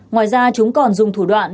ngoài ra chúng còn dùng thủ đoạn